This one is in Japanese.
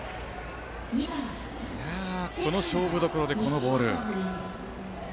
この勝負どころでこのボール。